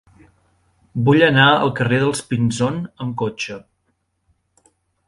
Vull anar al carrer dels Pinzón amb cotxe.